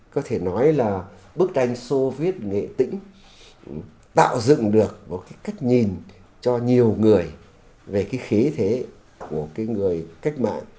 có thể nói là bức tranh soviet nghĩa tính tạo dựng được một cái cách nhìn cho nhiều người về cái khế thế của cái người cách mạng